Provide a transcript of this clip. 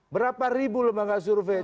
berapa ribu lembaga survei